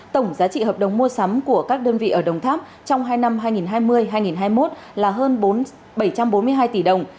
tổng giá trị hợp đồng mua sắm của các đơn vị ở đồng tháp trong hai năm hai nghìn hai mươi hai nghìn hai mươi một là hơn bảy trăm bốn mươi hai tỷ đồng